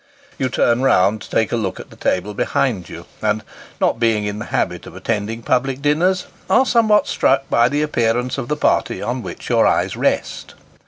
You turn round to take a look at the table behind you, and not being in the habit of attending public dinners are somewhat struck by the appearance of the party on which your eyes rest.